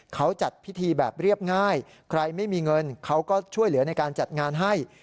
เขาจัดพิธีแบบเรียบง่ายใครไม่มีเงินเขาก็ช่วยเหลือในการจัดงานให้